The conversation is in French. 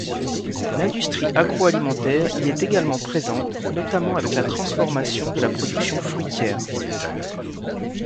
L'industrie agroalimentaire y est également présente, notamment avec la transformation de la production fruitière.